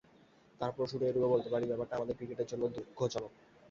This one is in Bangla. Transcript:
তার পরও শুধু এটুকু বলতে পারি, ব্যাপারটা আমাদের ক্রিকেটের জন্য দুঃখজনক।